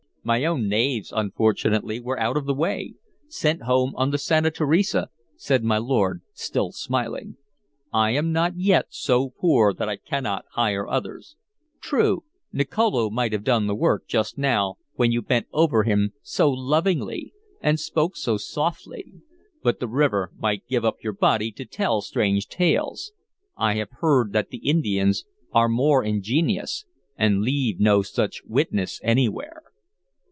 "My own knaves, unfortunately, were out of the way; sent home on the Santa Teresa," said my lord, still smiling. "I am not yet so poor that I cannot hire others. True, Nicolo might have done the work just now, when you bent over him so lovingly and spoke so softly; but the river might give up your body to tell strange tales. I have heard that the Indians are more ingenious, and leave no such witness anywhere."